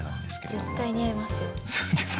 絶対似合いますよ。